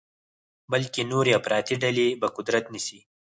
بلکې نورې افراطي ډلې به قدرت نیسي.